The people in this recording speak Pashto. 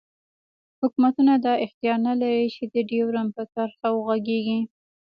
حوکمتونه دا اختیار نه لری چی د ډیورنډ پر کرښه وغږیږی